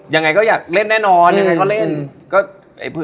ยังไงก็อยากเล่นแน่นอนยังไงก็เล่น